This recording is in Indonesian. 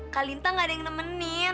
kak linta gak ada yang nemenin